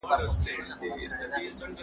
په یوه جوال کي رېګ بل کي غنم وي